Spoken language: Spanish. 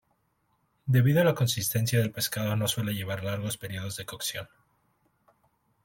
Debido a la consistencia del pescado no suele llevar largos periodos de cocción.